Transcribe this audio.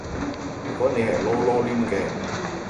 如果你係囉囉攣嘅